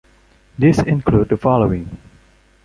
These include the following.